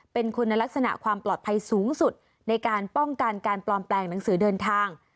เป็นคุณลักษณะความปลอดภัยสูงสุดในการป้องกันการปลอมแปลงหนังสือเดินทาง